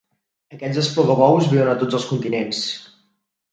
Aquests esplugabous viuen a tots els continents.